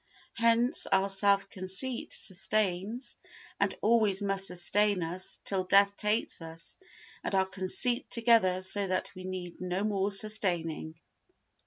Hence our self conceit sustains and always must sustain us till death takes us and our conceit together so that we need no more sustaining.